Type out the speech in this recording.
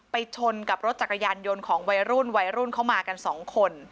ชนกับรถจักรยานยนต์ของวัยรุ่นวัยรุ่นเข้ามากันสองคน